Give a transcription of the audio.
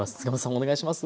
お願いします。